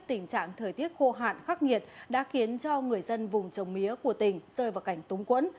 tình trạng thời tiết khô hạn khắc nghiệt đã khiến cho người dân vùng trồng mía của tỉnh rơi vào cảnh túng quẫn